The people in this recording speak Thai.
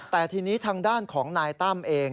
แต่ทีนี้ทางด้านของนายตั้มเอง